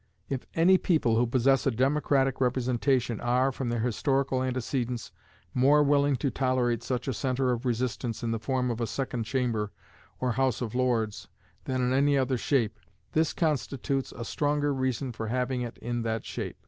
If any people who possess a democratic representation are, from their historical antecedents, more willing to tolerate such a centre of resistance in the form of a Second Chamber or House of Lords than in any other shape, this constitutes a stronger reason for having it in that shape.